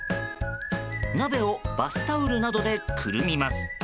鍋をバスタオルなどでくるみます。